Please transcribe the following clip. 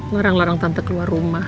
larang larang tante keluar rumah